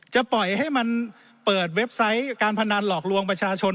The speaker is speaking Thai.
ปล่อยให้มันเปิดเว็บไซต์การพนันหลอกลวงประชาชน